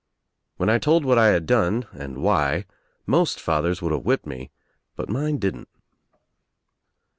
When I told what I had done and why most fathers would have whipped me but mine didn't.